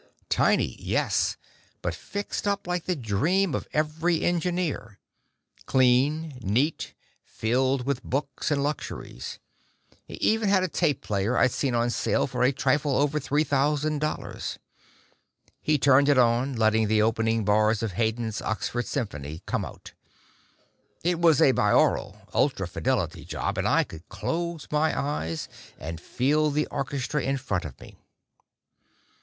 Tiny, yes, but fixed up like the dream of every engineer. Clean, neat, filled with books and luxuries. He even had a tape player I'd seen on sale for a trifle over three thousand dollars. He turned it on, letting the opening bars of Haydn's Oxford Symphony come out. It was a binaural, ultra fidelity job, and I could close my eyes and feel the orchestra in front of me.